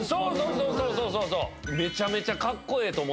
そうそうそうそう！